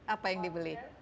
apa yang dibeli